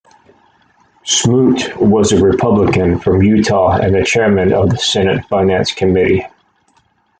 Smoot was a Republican from Utah and chairman of the Senate Finance Committee.